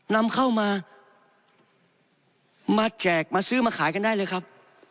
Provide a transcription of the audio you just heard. นำเข้ามามาแจกมาซื้อมาขายกันได้เลยครับ